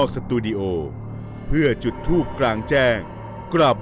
เชิญครับ